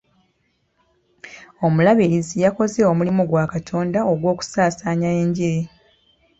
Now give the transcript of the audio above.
Omulabirizi yakoze omulimu gwa Katonda ogw'okusaasaanya enjiri.